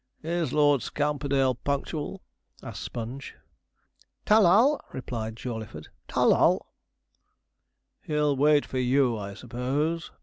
'Is Lord Scamperdale punctual?' asked Sponge. 'Tol lol,' replied Jawleyford, 'tol lol.' 'He'll wait for you, I suppose?'